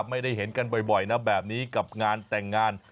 ไม่ได้เห็นกันบ่อยนะแบบนี้กับงานแต่งงาน